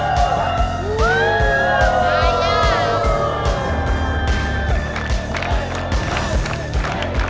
komenti sesama kampung remoraga